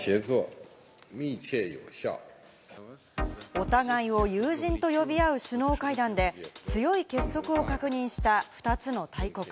お互いを友人と呼び合う首脳会談で強い結束を確認した２つの大国。